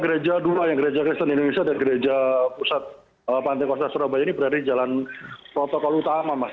gereja dua yang gereja kristen indonesia dan gereja pusat pantai kota surabaya ini berada di jalan protokol utama mas